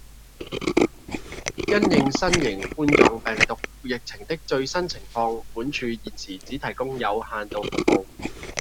因應新型冠狀病毒疫情的最新情況，本處現時只提供有限度服務